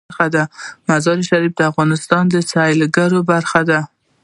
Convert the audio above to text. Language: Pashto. مزارشریف د افغانستان د سیلګرۍ برخه ده.